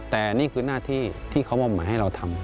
แต่นี่คือหน้าที่ที่เขามอบหมายให้เราทำ